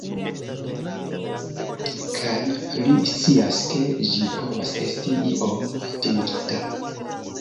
Kaj li scias, ke ĝi povas esti iom timigita.